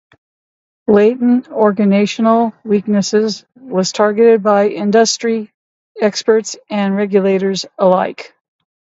"Latent organizational weakness" was targeted by industry experts and regulators alike.